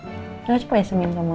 jangan supaya sengin kamu aja